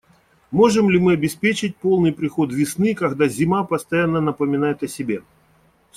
Можем ли мы обеспечить полный приход весны, когда зима постоянно напоминает о себе?